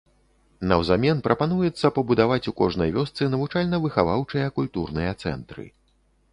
Наўзамен прапануецца пабудаваць у кожнай вёсцы навучальна-выхаваўчыя культурныя цэнтры.